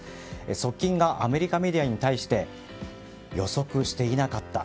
側近がアメリカメディアに対して予測していなかった。